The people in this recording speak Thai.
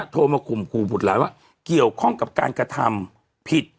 โทรมาข่มขู่บุตรหลานว่าเกี่ยวข้องกับการกระทำผิด